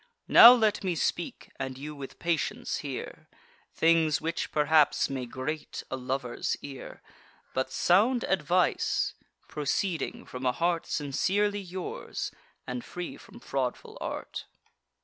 Now let me speak, and you with patience hear, Things which perhaps may grate a lover's ear, But sound advice, proceeding from a heart Sincerely yours, and free from fraudful art.